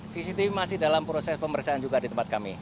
visiti masih dalam proses pemeriksaan juga di tempat kami